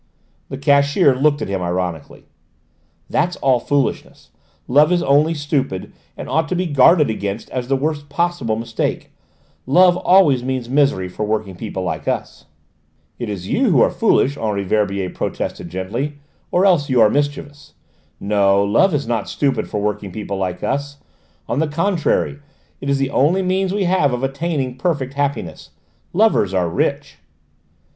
The cashier looked at him ironically. "That's all foolishness. Love is only stupid, and ought to be guarded against as the worst possible mistake. Love always means misery for working people like us." "It is you who are foolish," Henri Verbier protested gently, "or else you are mischievous. No: love is not stupid for working people like us; on the contrary, it is the only means we have of attaining perfect happiness. Lovers are rich!"